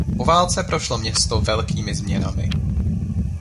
Po válce prošlo město velkými změnami.